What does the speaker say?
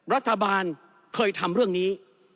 รัฐบาลเคยทำเรื่องนี้